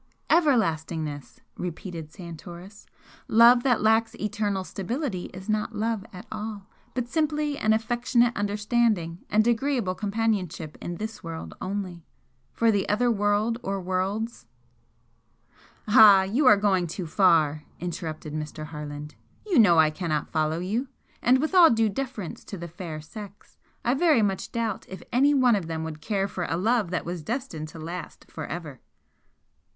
"Everlastingness!" repeated Santoris. "Love that lacks eternal stability is not love at all, but simply an affectionate understanding and agreeable companionship in this world only. For the other world or worlds " "Ah! You are going too far," interrupted Mr. Harland "You know I cannot follow you! And with all due deference to the fair sex I very much doubt if any one of them would care for a love that was destined to last for ever."